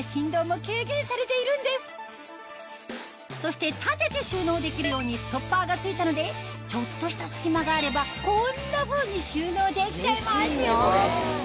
そして立てて収納できるようにストッパーが付いたのでちょっとした隙間があればこんなふうに収納できちゃいますよ